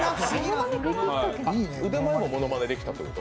腕前もものまねできたってこと？